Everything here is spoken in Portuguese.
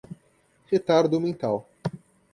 retardo mental